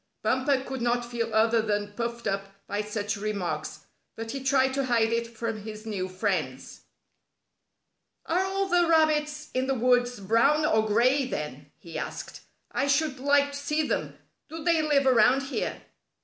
Bumper could not feel other than puffed up by such remarks, but he tried to hide it from his new friends. "Are all the rabbits in the woods brown or gray, then?" he asked. "I should like to see them. Do they live around here?"